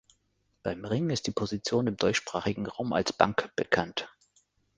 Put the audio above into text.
Beim Ringen ist die Position im deutschsprachigen Raum als „Bank“ bekannt.